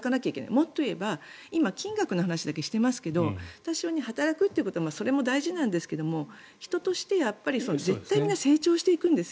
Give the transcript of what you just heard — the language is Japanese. もっと言えば今、金額の話だけしてますと働くということも大事なんですが人として絶対みんな成長していくんですよ。